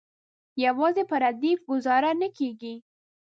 یوازې په ردیف ګوزاره نه کیږي.